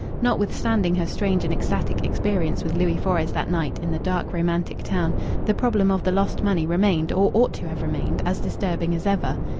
Notwithstanding her strange and ecstatic experiences with Louis Fores that night in the dark, romantic town, the problem of the lost money remained, or ought to have remained, as disturbing as ever.